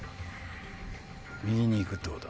右に行くってこと？